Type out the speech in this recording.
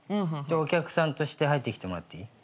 お客さんとして入ってきてもらっていい？